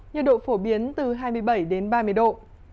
nhiệt độ phổ biến từ hai mươi bảy đến ba mươi độ